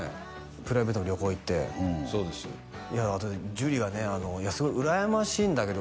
プライベートの旅行行ってそうですいや樹がね「すごい羨ましいんだけど」